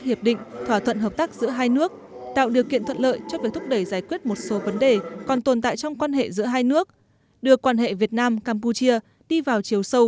nhiều văn kiện hợp tác giữa hai nước đã được ký kết làm cơ sở cho việc phát triển hợp tác song phương tiếp xúc giữa lãnh đạo cấp cao